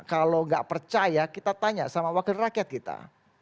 kalau nggak percaya kita tanya sama wakil rakyat kita